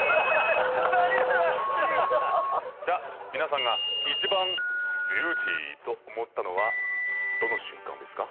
じゃ皆さんが一番ビューティーと思ったのはどの瞬間ですか？